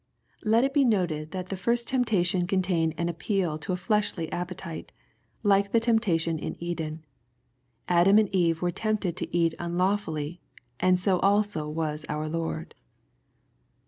] Let it be noted that the first temptation contained an appeal to a fleshly appetite, like the temptation in Eden. Adam and Eve were tempted to eat unlaw fully, and so also was our Lord.